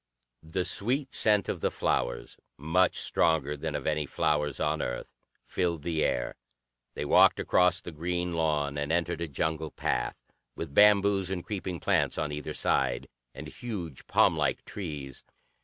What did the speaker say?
The sweet scent of the flowers, much stronger than of any flowers on earth, filled the air. They walked across the green lawn and entered a jungle path, with bamboos and creeping plants on either side, and huge palmlike trees.